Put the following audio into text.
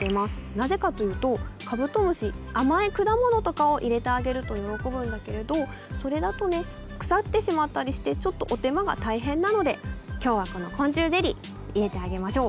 なぜかというとカブトムシ甘い果物とかを入れてあげると喜ぶんだけれどそれだと腐ってしまったりしてちょっとお手間が大変なので今日はこの昆虫ゼリー入れてあげましょう！